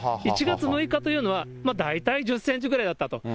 １月６日というのは、大体１０センチくらいだったと。